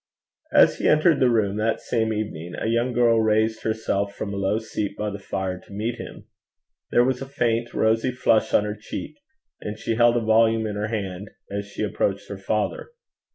As he entered the room that same evening, a young girl raised herself from a low seat by the fire to meet him. There was a faint rosy flush on her cheek, and she held a volume in her hand as she approached her father.